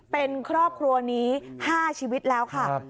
เป็นครอบครัวนี้๕ชีวิตแล้วค่ะ